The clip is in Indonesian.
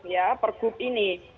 ya pergub ini